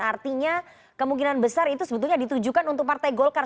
artinya kemungkinan besar itu sebetulnya ditujukan untuk partai golkar